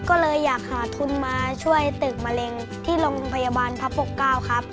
ก็เลยอยากหาทุนมาช่วยตึกมะเร็งที่โรงพยาบาลพระปกเก้าครับ